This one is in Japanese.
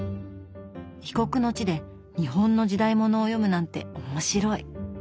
異国の地で日本の時代物を読むなんて面白い。